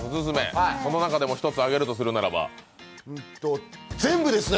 その中でも一つ挙げるとするならば全部ですね！